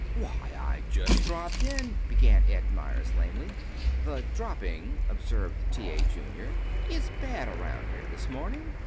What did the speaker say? "Why, I just dropped in " began Ed Meyers lamely. "The dropping," observed T. A. Junior, "is bad around here this morning.